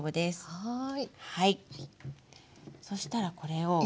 はい。